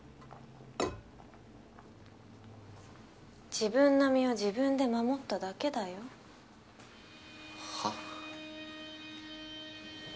自分の身を自分で守っただけだよ。は？